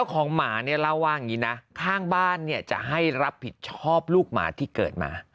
ของหมาเนี่ยเล่าว่าอย่างนี้นะข้างบ้านเนี่ยจะให้รับผิดชอบลูกหมาที่เกิดมา